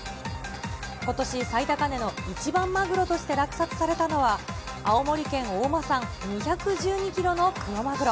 ことし最高値の一番マグロとして落札されたのは、青森県大間産２１２キロのクロマグロ。